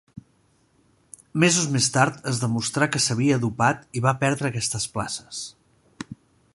Mesos més tard es demostrà que s'havia dopat i va perdre aquestes places.